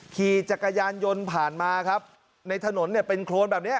ขี่จักรยานยนต์ผ่านมาครับในถนนเนี่ยเป็นโครนแบบนี้